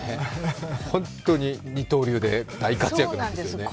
本当に二刀流で大活躍なんですよね。